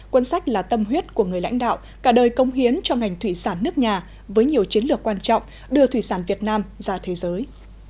cuốn sách là tâm huyết của người lãnh đạo cả đời công hiến cho ngành thủy sản nước nhà với nhiều chiến lược quan trọng đưa thủy sản việt nam ra thế giới